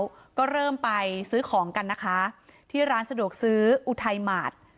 แล้วก็เริ่มไปซื้อของกันนะคะที่ร้านสะดวกซื้ออุทัยหมาด